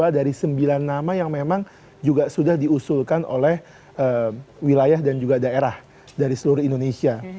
dua dari sembilan nama yang memang juga sudah diusulkan oleh wilayah dan juga daerah dari seluruh indonesia